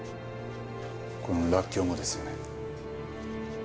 このらっきょうもですよね？